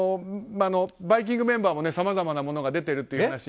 「バイキング」メンバーもさまざまなものが出てるという話。